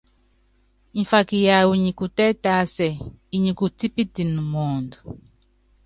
Mfaka yawu nyi kutɛ́ tásɛ, inyi kutípitɛn mɔɔnd.